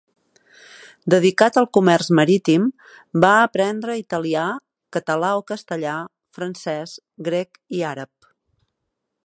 Dedicat al comerç marítim, va aprendre italià, català o castellà, francès, grec i àrab.